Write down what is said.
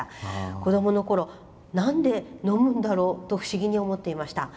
子どものころなんでのむんだろう？と不思議に思っていました。